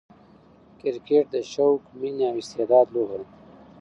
کرکټ د شوق، میني او استعداد لوبه ده.